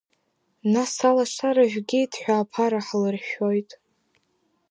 Нас алашара жәгеит ҳәа аԥара ҳлыршәоит.